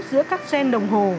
giữa các xen đồng hồ